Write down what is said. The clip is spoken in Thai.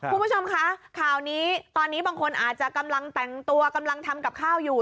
คุณผู้ชมคะข่าวนี้ตอนนี้บางคนอาจจะกำลังแต่งตัวกำลังทำกับข้าวอยู่